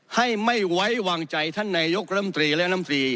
ให้ไม่ไว้วางใจท่านนายกรัมตรีและน้ำตรี